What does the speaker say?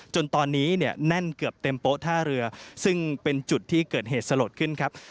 จนตอนนี้เนี่ยแน่นเกือบเต็มโป๊ท่าเรือซึ่งเป็นจุดที่เกิดเหตุสลดขึ้นครับ